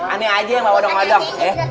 aneh aja yang bawa odong odong